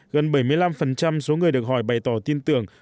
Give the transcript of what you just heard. gần bảy mươi năm số người được hỏi bày tỏ tin tưởng